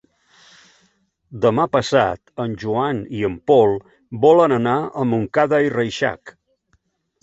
Demà passat en Joan i en Pol volen anar a Montcada i Reixac.